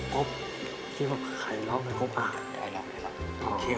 กบคิดว่าใครร้องกันกบอาจได้แล้ว